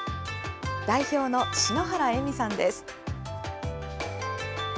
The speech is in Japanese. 代表の篠原恵美さんです。